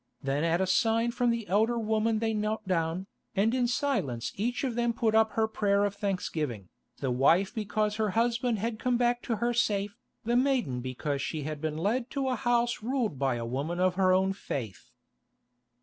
Then at a sign from the elder woman they knelt down, and in silence each of them put up her prayer of thanksgiving, the wife because her husband had come back to her safe, the maiden because she had been led to a house ruled by a woman of her own faith.